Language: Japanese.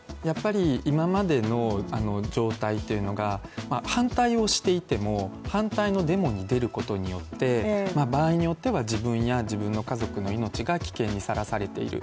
今までの状態というのが、反対をしていても反対のデモに出ることによって、場合によっては自分や自分の家族の命が危険にさらされている。